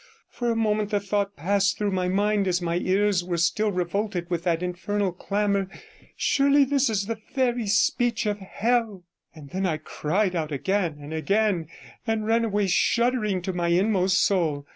For a moment the thought passed through my mind, as my ears were still revolted with that infernal clamour, 'Surely this is the very speech of hell,' and then I cried out again and again, and ran away shuddering to my inmost soul.